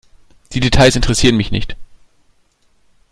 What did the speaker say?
Die Details interessieren mich nicht.